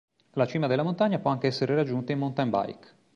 La cima della montagna può anche essere raggiunta in mountain bike.